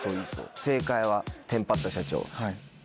正解はテンパった社長。